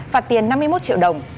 phạt tiền năm mươi một triệu đồng